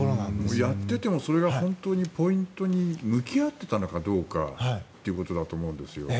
やっていてもそれが本当にポイントに向き合っていたのかどうかということだと思うんですよ。